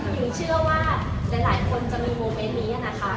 หญิงเชื่อว่าหลายคนจะมีโมเมนต์นี้นะคะ